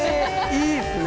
いいですね。